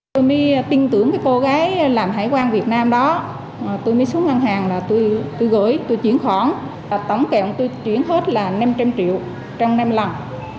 tôi mới tin tưởng cái cô gái làm hải quan việt nam đó tôi mới xuống ngân hàng là tôi gửi tôi chuyển khoản tổng kèm tôi chuyển hết là năm trăm linh triệu trong năm lần